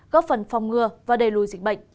góp phần phòng ngừa và đầy lùi dịch bệnh